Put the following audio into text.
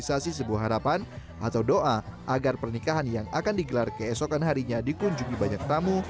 sebagai sebuah harapan atau doa agar pernikahan yang akan digelar keesokan harinya dikunjungi banyak tamu